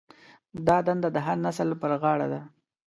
دا دنده د هر نسل پر غاړه ده.